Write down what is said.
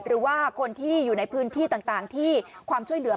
หรือว่าคนที่อยู่ในพื้นที่ต่างที่ความช่วยเหลือ